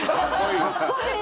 かっこいい！